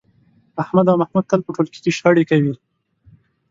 احمد او محمود تل په ټولگي کې شخړې کوي